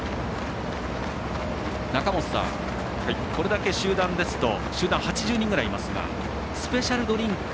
中本さん、これだけ集団ですと８０人ぐらいいますがスペシャルドリンク